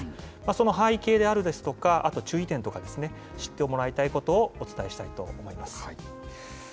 その背景であるですとか、あと注意点とかですね、知ってもらいたいことをお伝えしたいと思います。